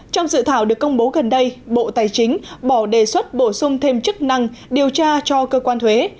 trong dự thảo được công bố gần đây bộ tài chính bỏ đề xuất bổ sung thêm chức năng điều tra cho cơ quan thuế